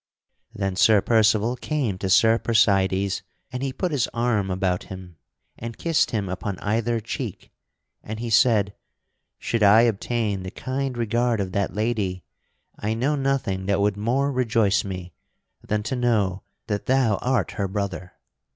Then Sir Percival came to Sir Percydes and he put his arm about him and kissed him upon either cheek, and he said: "Should I obtain the kind regard of that lady, I know nothing that would more rejoice me than to know that thou art her brother.